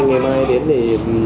ngày mai đến để